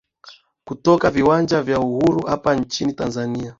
kutoka viwanja vya uhuru hapa nchini tanzania